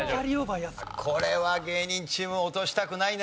これは芸人チーム落としたくないね。